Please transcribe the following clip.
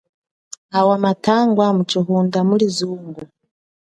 Awa mathangwa mutshihunda muli zungo.